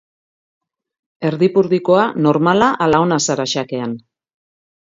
Erdipurdikoa, normala ala ona zara xakean?